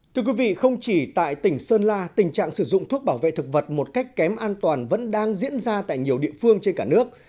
thưa quý vị không chỉ tại tỉnh sơn la tình trạng sử dụng thuốc bảo vệ thực vật một cách kém an toàn vẫn đang diễn ra tại nhiều địa phương trên cả nước